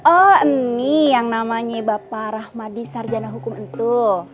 oh ini yang namanya bapak rahmadi sarjana hukum itu